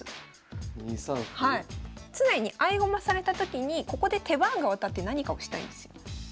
常に合駒されたときにここで手番が渡って何かをしたいんですよ。